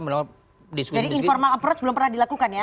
jadi informal approach belum pernah dilakukan ya